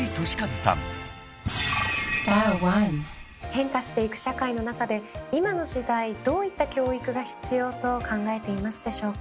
変化していく社会の中で今の時代どういった教育が必要と考えていますでしょうか？